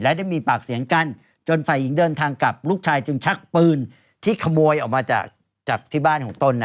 และได้มีปากเสียงกันจนฝ่ายหญิงเดินทางกลับลูกชายจึงชักปืนที่ขโมยออกมาจากที่บ้านของตน